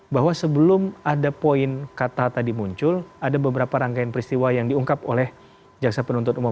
bahwa sebelum ada poin kata tadi muncul ada beberapa rangkaian peristiwa yang diungkap oleh jaksa penuntut umum